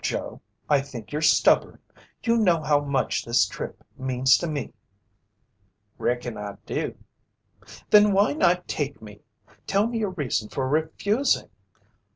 Joe, I think you're stubborn! You know how much this trip means to me." "Reckon I do." "Then why not take me? Tell me your reason for refusing."